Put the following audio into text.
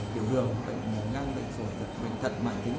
tiểu thường bệnh mồ ngăn bệnh phổ thật bệnh thật mạng tính